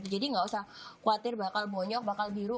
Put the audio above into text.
jadi nggak usah khawatir bakal bonyok bakal biru